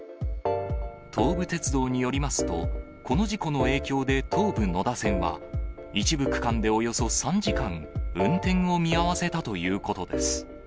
東武鉄道によりますと、この事故の影響で東武野田線は、一部区間でおよそ３時間、運転を見合わせたということです。